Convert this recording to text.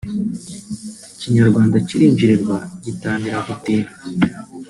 Ikinyarwanda kirinjirirwa gitangira gutira